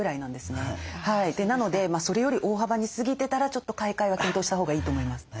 なのでそれより大幅に過ぎてたらちょっと買い替えは検討したほうがいいと思います。